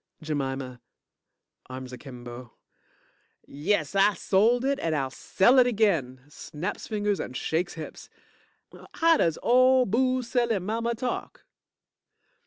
JEMIMA (Arms akimbo) Yes, I sold it and I'll sell it again. (snaps fingers and shakes hips) How does ole booze selling mama talk?